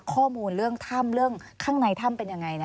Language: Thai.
ข้อมูลเรื่องถ้ำเรื่องข้างในถ้ำเป็นยังไง